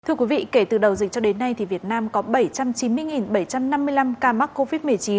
thưa quý vị kể từ đầu dịch cho đến nay việt nam có bảy trăm chín mươi bảy trăm năm mươi năm ca mắc covid một mươi chín